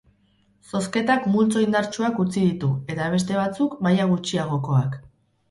Zozketak multzo indartsuak utzi ditu eta beste batzuk maila gutxiagokoak.